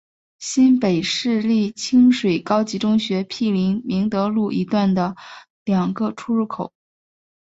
新北市立清水高级中学毗邻明德路一段的两个出入口。